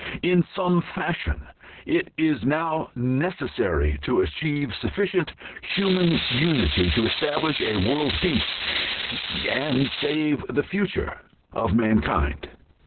In some fashion it is now necessary to achieve sufficient human unity to establish a world peace and save the future of mankind.